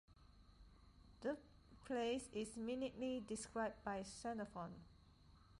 The place is minutely described by Xenophon.